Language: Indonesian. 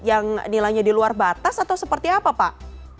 yang nilainya di luar batas atau seperti apa pak